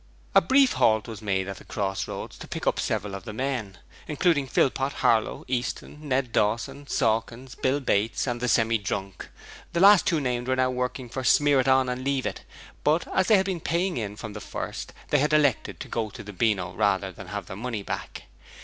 A brief halt was made at the Cross Roads to pick up several of the men, including Philpot, Harlow, Easton, Ned Dawson, Sawkins, Bill Bates and the Semi drunk. The two last named were now working for Smeariton and Leavit, but as they had been paying in from the first, they had elected to go to the Beano rather than have their money back.